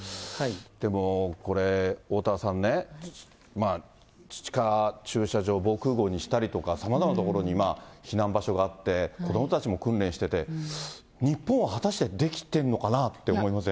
でもこれ、おおたわさんね、地下駐車場を防空ごうにしたりとか、さまざまな所に避難場所があって、子どもたちも訓練してて、日本は果たしてできてるのかなと思いません？